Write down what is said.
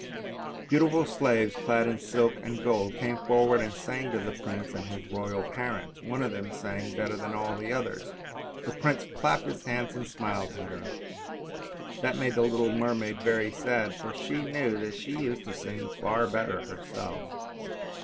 Beautiful slaves clad in silks and gold came forward and sang to the prince and his royal parents; one of them sang better than all the others, and the prince clapped his hands and smiled at her; that made the little mermaid very sad, for she knew that she used to sing far better herself.